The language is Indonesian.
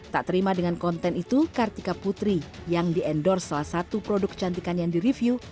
tak terima dengan konten itu kartika putri yang di endorse salah satu produk kecantikan yang direview